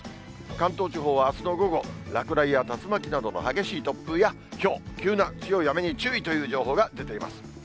関東地方はあすの午後、落雷や竜巻などの激しい突風やひょう、急な強い雨に注意という情報が出ています。